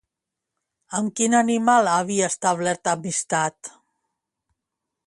Amb quin animal havia establert amistat?